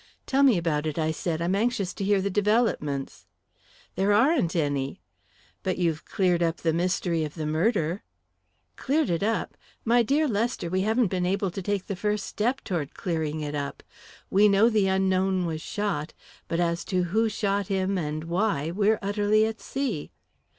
"Tell me about it," I said. "I'm anxious to hear the developments." "There aren't any." "But you've cleared up the mystery of the murder?" "Cleared it up! My dear Lester, we haven't been able to take the first step toward clearing it up! We know the unknown was shot, but as to who shot him, and why, we're utterly at sea."